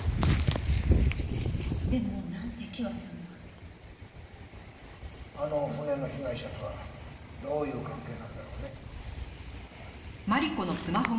でもなんで希和さんが？あの骨の被害者とはどういう関係なんだろうね？